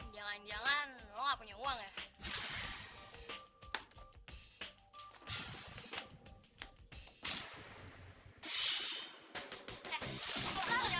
jangan jangan punya uang ya